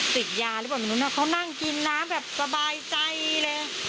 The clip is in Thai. ติดยาหรือแบบนึงนะเขานั่งกินน้ำแบบสบายใจเลย